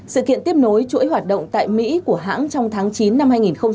sự kiện tiếp nối chuỗi hoạt động tại mỹ của hãng trong tháng chín năm hai nghìn hai mươi